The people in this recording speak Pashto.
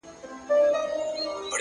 • ویل دا پنیر کارګه ته نه ښایيږي,